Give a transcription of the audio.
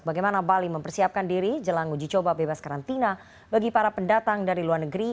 bagaimana bali mempersiapkan diri jelang uji coba bebas karantina bagi para pendatang dari luar negeri